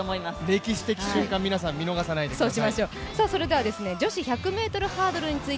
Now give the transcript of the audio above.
歴史的瞬間、皆さん見逃さないでください。